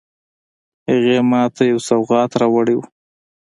هغې ما ته یو سوغات راوړی ده